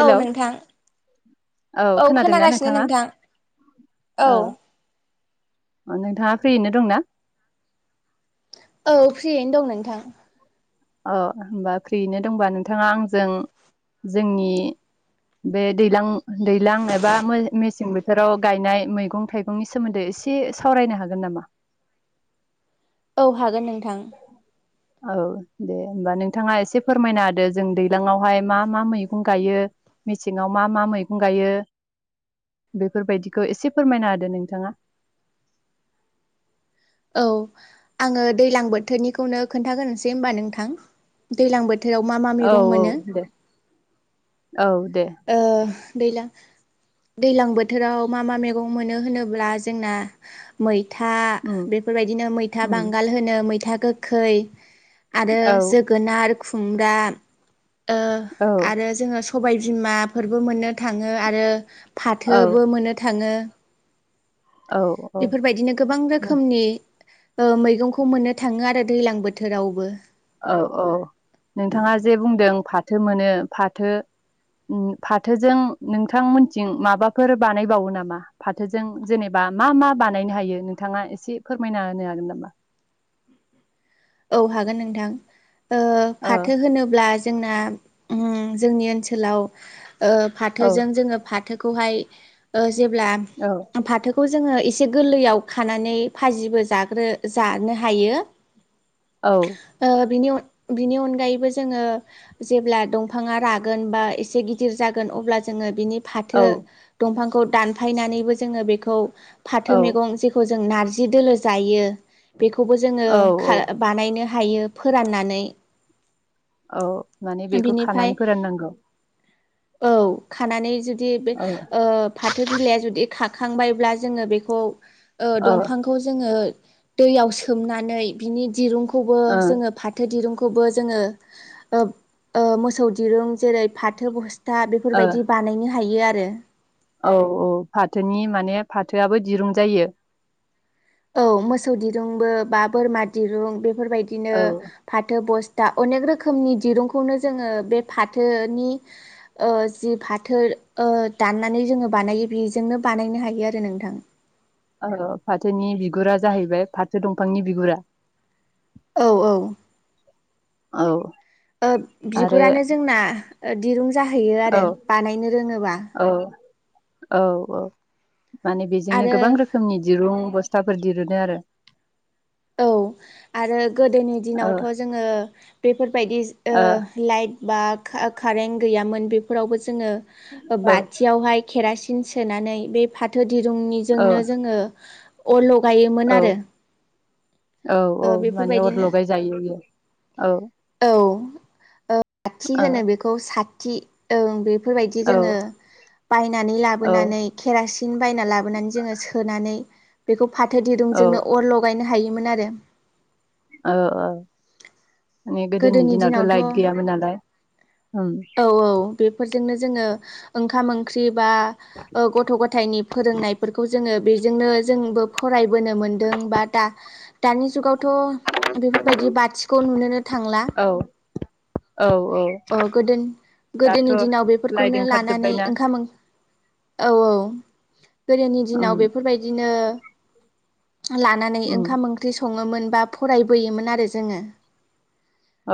औ नोंथां औ खोनादोंना खोनागासिनो नोंथाङा नोंथां औ। नोंथाङा फ्रियैनो दंना? औ फ्रियै दं नोंथां। अ होमबा फ्रियैनो दंबा नोंथाङा आंजों जोंनि बे दैलां दैज्लां एबा मेसें बोथोराव गायनाय मैगं थाइगंनि सोमोन्दै एसे सावरायनो हागोन नामा? औ हागोन नोंथां। औ दे होमबा नोंथाङा एसे फोरमायना होदो जों दैलाङावहाय मा मा मैगं गायो मेसेङाव मा मा मैगं गायो बेफोरबायदिखौ एसे फोरमायना होदो नोंथाङा औ आङो दैलां बोथोरनिखौनो खोन्थागोरसै होनबा नोंथां दैलां बोथो औ औ दे औ दे। ओ दैलां दैज्लां बोथोराव मा मा मैगं मोनो होनोब्ला जोंना मै था उम बेफोर बायदिनो मैथा उम बांगाल होनो मैथा गोखै आरो औ जोगोनार खुंमब्रा ओ औ आरो जोङो सबायजों -बिमाफोरबो मोननो थाङो आरो। औ फाथोबो मोननो थाङो, औ बेफोर बायदिनो गोबां औ रोखोमनि ओ मैगंखौ मोन थाङो आरो दैज्लां बोथोरावबो। औ औ नोंथाङा जे बुंदों फाथो मोनो फाथो फाथोजों नोंथां मोनथिं माबाफोर बानायबावो नामा फाथोजों जेनेबा मा मा बानायनो हायो नोंथाङा एसे फोरमायना होनो हागोन नामा? औ हागोन नोंथां। ओ औ फाथो होनोब्ला जोंना ओम जोंनि ओनसोलाव ओ औ फाथोजों जोङो फाथोखौहाय जेब्ला औ फाथोखौ जोङो एसे गोरलैयाव खानानै फाजिबो जाग्रो जानो हायो। औ ओ बिनि अन बिनि अनगायैबो जोङो जेब्ला दंफाङा रागोन बा एसे गिदिर जागोन अब्ला जोङो बिनि औ फाथो दंफांखौ दानफायनानैबो जोङो बेखौ फाथो औ मेगं जेखौ जों जों नारजि दोलो जायो बेखौबो जोङो औ औ खा- बानायनो हायो फोराननानै औ माने बेखौ बिनिफ्राय खानानै फोराननांगौ औ खानानै जोब- औ [unintelligible] ओ फाथो बिलाइया जुदि खा- -खांबायब्ला जोङो बेखौ ओ औ दंफांखौ जोङो दैयाव सोमनानै बिनि दिरुं- -खौबो ओ जोङो फाथो दिरुंखौ -खौबो जोङो ओ मोसौ दिरुं जेरै फाथो बस- -था ओ बेफोरबायदि बानायनो हायो आ - -रो औ औ फाथोनि माने फाथोआबो दिरुं जायो औ मोसौ दिरुंबो बा बोरमा दिरुं बे -फोरबायदिनो औ फाथो बस -था अनेक रोखोमनि दिरुंखौनो जोङो बे फाथोनि ओ जि फाथो दाननानै जोङो बानायो बेजोंनो बानायनो हायो आरो नोंथां औ फाथोनि बिगुरा जाहैबाय फाथो दंफांनि बिगुरा औ औ औ ओ आरो बिगुरानो जोंना दिरुं जाहैयो औ आरो बानायनो रोङोबा औ औ औ माने बेजोंनो आरो गोबां रोखोमनि दिरुं बस -थाफोर दिरुनो आरो औ आरो गोदोनि दिनावथ जोङो बेफोरबायदि ओ लाइट बा का कारेन्ट गैयामोन बेफोरावबो जों- -ङो ओ बाथियावहाय केरासिन- -न सोनानै बे फाथो औ दिरुंनिजोंनो जोंङो अर ल- औ -गायोमोन आरो औ औ ओ माने अर बेफोरबायदिनो लगाय जायो बेयो औ। औ साथि औ होनो बेखौ सा थि ओं बे बेफोर बायदि जोंङो बायनानै औ लाबोनानै केरासिन बायना लाबोनानै जोंङो सोनानै बेखौ फाथो औ दिरुंजोंनो अर लगायो। हायोमोन आरो। औ औ। माने गोदोनि दिनावथ' लाइट गैयामोन नालाय। उम। फोरजोंनो जोङो ओंखाम ओंख्रि बा गथ' गथायनि फोरोंनायफोरखौ जोङो। बेजोंनो जोंबो फराय बोनो मोनदों बा दा। दानि जुगाव। बेफोर बायदि बाथिखौ नुनो थांला। औ औ औ दाथ' गोदोनि दिनाव लाइट बेफोरखौनो लानानै ओंखारजोब्बायना ओंखाम औ औ। गोदोनि उम दिनाव बेफोर बायदिनो। लानानै उम ओंखाम ओंख्रि संङो। बा फरायबोयोन आरो जोङो।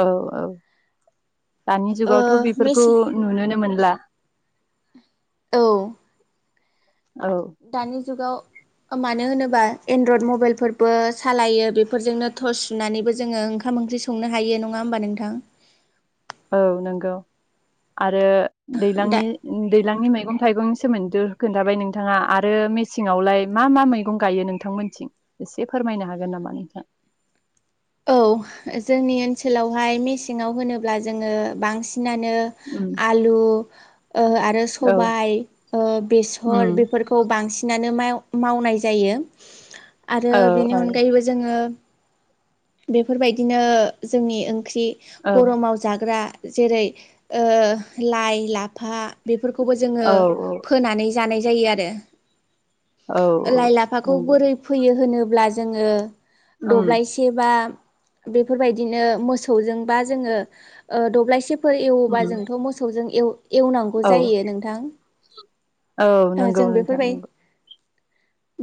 औ औ। दानि ओ जुगावथ' बेफोरखौ मेसे नुनोनो मोनला। औ औ दानि जुगाव। मानो होनोबा एनड्रयड मबाइलफोरबो सालायो बेफोरजोंनो टर्स सुनानैबो जोङो ओंखाम ओंख्रि संनो हायो नङा होमबा नोंथां। औ नंगौ आरो। दा दैलांनि दैज्लांनि मैगं थाइगंनि सोमोन्दै खोन्थाबाय नोंथाङा आरो मेसेंआवलाय मा मा मैगं गायो। नोंथांमोनथिं एसे फोरमायनो हागोन नामा नोंथां? औ जोंनि ओनसोलावहाय मेसेङाव होनोब्ला जोंङो बांसिन बांसिनानो आलु। ओ आरो औ सबाय, ओ बेसर बेफोरखौ बांसिनानो मा मावनाय जायो। औ आरो बेनि अनगायैबो जोङो। बेफोरबायदिनो जोंनि ओ ओंख्रि गरमाव जाग्रा जेरै ओ लाइ लाफा बे बेफोरखौबो जोङो औ फोनानै जानाय जायो आरो। औ लाइ लाफाखौ नंगौ बोरै फैयो होनोब अब्ला जोङो दब्लायसे बा बेफोरबायदिनो मोसौजोंबा जोङो ओ दब्लायसेब फोर एवोबा जोंथ' मोसौजों एव एवनांगौ औ जायो नोंथां। औ नंगौ जों नोंथां बेफोरबाय नंगौ।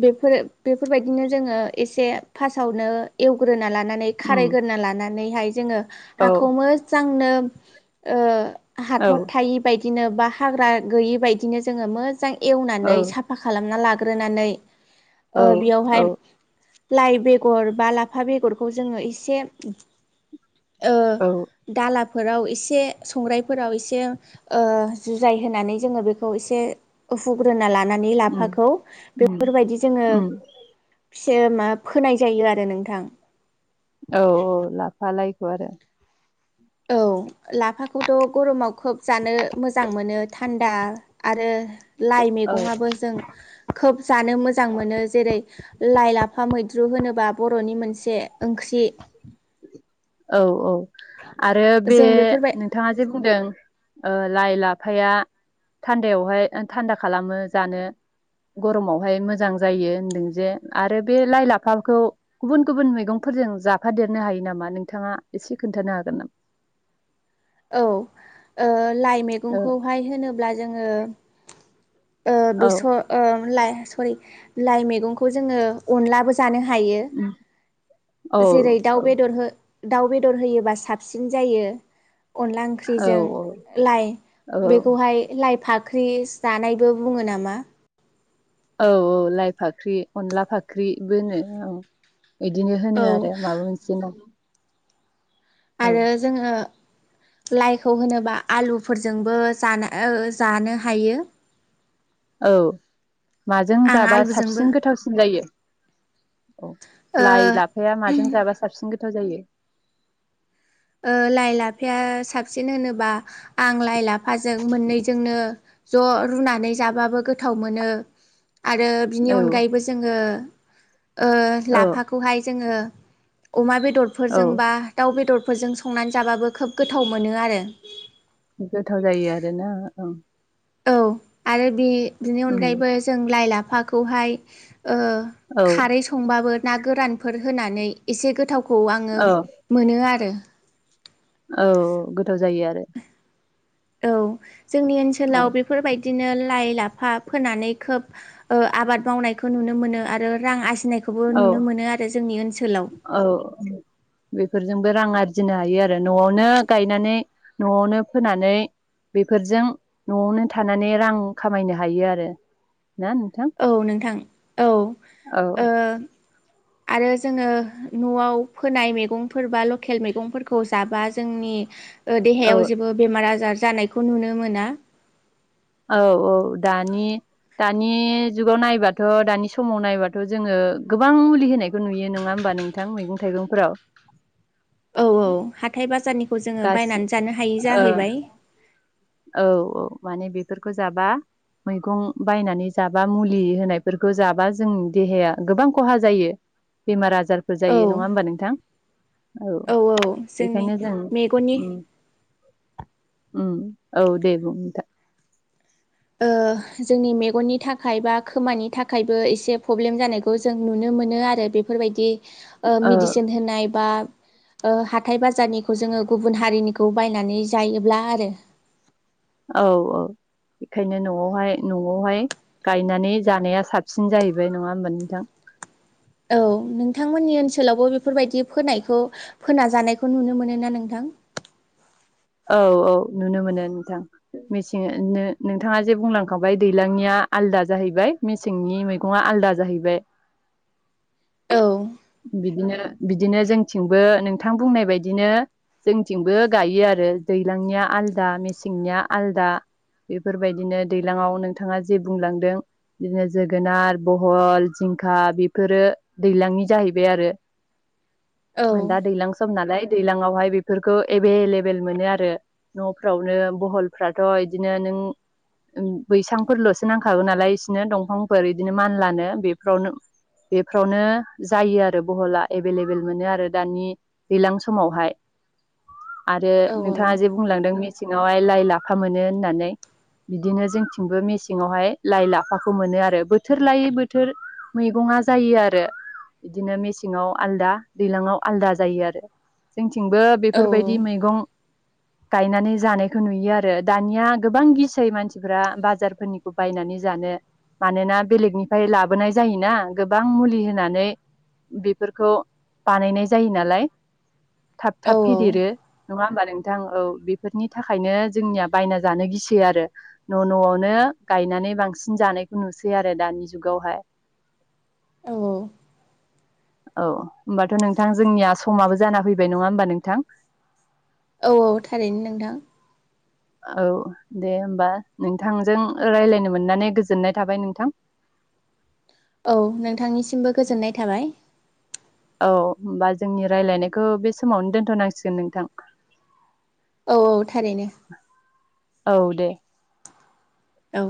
बेफोर बेफोरबायदिनो जोङो एसे फासआवनो एवग्रोना ला नानै खारायग्रोना लानानैहाय जोङो औ हाखौ मोजांनो ओ। औ हाथर थायि बायदि बिदिनो बा हाग्रा गैयि बायदिनो जोङो मोजांय औ एवनानै साफा खालामना ला ग्रोनानै ओ औ औ बेयावहाय लाइ बेगर बा ला लाफा बेगरखौ जोङो एसे ओ औ दालाब फोराव एसे संग्रायफोराव एसे ओ जुजाय होनानै जोङो बेखौ एसे उफुग्रोना लाना नै लाफाखौ बेफोरबायदि जोङो सेर मा फोनाय जायो आरो नोंथां। औ - औ लाफा लायखौ आरो। औ लाफाखौथ' गरमाव खोब जानो मोजां मोनो थान्दा आरो लाइ मैगंआबो जों खोब जानो मोज मोजां मोनो जेरै लाइ लाफा मैद्रु होनोबा बर'नि मोनसे ओंख्रि औ - औ। आरो बे जों बेफोरबाय नोंथाङा जे बुंदों लाइ लाफाया थान्दायावहाय थान्दा खालामो जानो गरमावहाय मोजां जायो होनदों जे आरो बे लाइ लाफाखौ गुबुन गुबुन मैगंफोरजों जाफादेरनो हायो नामा नों नोंथाङा एसे खोन्थानो हागोन नामा औ लाइ मैगंखौहाय होनोब अब्ला जोंङो ओ औ बेसर ओं लाय सरि लाइ मैगंखो जों अनलाबो जानो हायो जेरै दाउ बेदर हो दाउ बेदर होयोबा साबसिन जायो अनला औ ओंख्रिजों लाइ औ बेखौहाय लाइ फाखि अनफाख्रि जानाय जायो बो बुंङो नामा औ औ लाइ फाख्रि अनला फाख्रिबो औ बिदिनो औ होनो आरो माबा मोनसे ना औ आरो जोंङो लाइखौ होनोबा आलुफोरजोंबो ज जानो हायो औ माजों आं जाबा आलुजोंबो साबसिन गोथावसिन जायो औ ओ लाइ लाफाया माजों जाबा साबसिन गोथाव जायो ओ लाइ लाफाया साबसिन होनोबा आं लाइ लाफाजों मोननैजोंनो ज' रुनानै जाबाबो गोथाव मोनो आरो बिनि औ अनगायैबो जोङो ओ औ लाफाखौहाय जोंङो अमा बेदर औ बेदरफोरजोंबा दाउ बेदर फोरफोरजों संनानै जाबाबो खोब गोथाव मोनो आरो गोथाव जायो आरोना ओं औ आरो बे बिनि उम अनगायैबो जों लाइ लाफा खौहाय ओ औ खारै संबाबो ना गोरानफोर होनानै एसे गोथाव खौ आंङो औ मोनो आरो। औ गोथाव जायो आरो। औ। जोंनि औ ओनसोलाव बेफोरबायदि इदिनो लाइ -लाफा फोनानै खोब आबाद मावनायखौ नुनो मोनो आरो रां आर औ औ बेफोरजोंबो रां आर जिनो हायो आरो न'आवनो गायनानै न'आवनो फोनानै बेफोरजों न'आवनो थानानै रां खामायनो हायो आरो। ना नोंथां औ नोंथां औ। ओ औ आरो जोङो न'आव फोनाय मैगंफोर बा लकेल मैगंफोरखौ जाबा जोंनि औ देहायाव जेबो बेमार आजार जानायखौ नुनो मोना। औ औ दानि दानि जुगाव नायबाथ' दानि समाव नायबाथ' जोङो गोबां मुलि होनायखौ नुयो नङा होमबा नोंथां मैगं थाइगंफोराव। औ -औ हाथाय- बाजारनि खौ जोङो गासि बायनानै जानो हायै ओ जाहैबाय। औ -औ माने बेफोरखौ जाबा मैगं बायनानै जाबा मुलि होनायफोरखौ जाबा जों देहाया गोबां खहा जायो। बेमार आजारफोर औ जायो नङा होमबा नोंथां औ। औ जोंनि बेखायनो जों मेगननि ओं औ दे बुं नोथां। ओ जोंनि मेगननि थाखाय बा खोमानि थाखायबो एसे प्रब्लेम जानायखौ जों नुनो मोनो आरो बेफोरबायदि ओ औ मेडिसिन होनाय बा ओ हाथाय बाजारनिखौ जोङो गुबुन हारिनिखौ बायनानै जायोब्ला आरो। औ औ बेखायनो न'आवहाय न'आवहाय गायनानै जानाया साबसिन जाहैबाय नङा होमबा नोंथां? औ नोंथांमोननि ओनसोलावबो बेफोरबायदि फोनायखौ फोनाजानायखौ नुनो मोनो ना नोंथां? औ औ नुनो मोनो नोंथां मेसें नोंथाङा जे बुंलांखांबाय दैलांनिया आलदा जाहैबाय मेसेंनि मैगङा आलदा जाहैबाय। औ बिदिनो बिदिनो जोंथिंबो नोंथां बुंनाय बायदिनो जोंथिंबो गायो आरो। दैलांनिया आलदा मेसेंनिया आलदा बेफोरबायदिनो दैलाङाव नोंथाङा जे बुंलांदों बिदिनो जोगोनार बहल जिंखा बेफोरो दैलांनि जाहैबाय आरो। औ आ दा दैलां सम नालाय दैज्लां आवहाय बेफोरखौ एभे लेबेल मोनो आरो। न'फ्रावनो बहलफ्राथ' इदिनो नों बैसांफोरल'सो नांखागौ नालाय बिसिनो दंफांफोर इदिनो मानलानो बेफ्रावनो जायो आरो बहला एभेलेबेल मोनो आरो दानि दै्लां समावहाय आरो औ नोंथाङा जे बुंलांदों मेसे सेंआवहाय लाइ -लाफा मोनो होननानै इदिनो जोंथिंबो मेसेङावहाय लाइ- लाफाखौ मोनो आरो बोथोर लायै बोथोर मैगंआ जायो आरो इदिनो मेसेङाव आलदा दैलांआव आलदा जायो आरो जोंथि थिंबो औ बेफोरबायदि मैगं गायनानै जानायखौ नुयो आरो दानिया गोबां गिसै मानसिफ्रा बाजारफोरनिखौ बायनानै जानो मानोना बेलेगनिफ्राय लाबोनाय जायोना गोबां मुलि होनानै बेफोरखौ बानायनाय जायो नालाय। थाब- औ थाब फेदेरो। नङा होमबा? नोंथां औ बेफोरनि थाखायनो जोंनिया बायना जानो गिसै आरो न' न'आवनो गायनानै बांसिन जानायखौ नुसै आरो दानि जुगावहाय। औ औ। औ होमबाथ' नोंथां जोंनिया समाबो जाना फैबाय नङा होमबा नोंथां? औ औ थारैनो नोंथां। औ दे होमबा नोंथांजों रायलायनो मोननानै गोजोननाय थाबाय नोंथां। औ नोंथांनिसिमबो गोजोननाय थाबाय। औ होमबा जोंनि रायलायनायखौ बे समावनो दोनथ'नांसिगोन नोंथां। औ औ थारैनो। औ दे। औ।